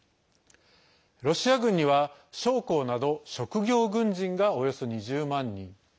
ロシア軍には将校など職業軍人がおよそ２０万人。